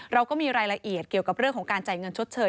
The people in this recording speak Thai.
เราก็มีรายละเอียดเกี่ยวกับเรื่องของการจ่ายเงินชดเชย